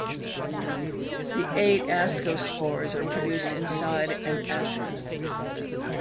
The eight ascospores are produced inside an ascus.